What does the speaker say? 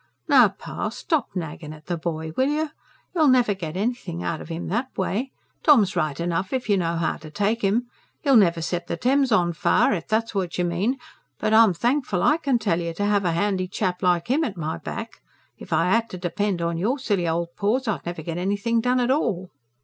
"Now, pa, stop nagging at the boy, will you? You'll never get anything out of 'im that way. Tom's right enough if you know how to take him. He'll never set the Thames on fire, if that's what you mean. But I'm thankful, I can tell you, to have a handy chap like him at my back. If I 'ad to depend on your silly old paws, I'd never get anything done at all."